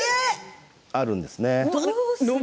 あるんですね。